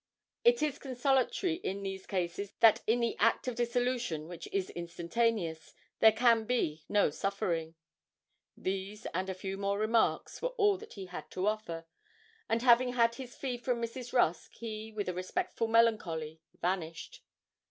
It is 'consolatory in these cases that in the act of dissolution, which is instantaneous, there can be no suffering.' These, and a few more remarks, were all he had to offer; and having had his fee from Mrs. Rusk, he, with a respectful melancholy, vanished.